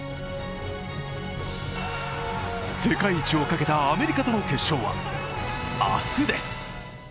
世界一をかけたアメリカとの決勝は、明日です。